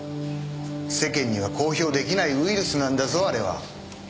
世間には公表できないウイルスなんだぞあれは。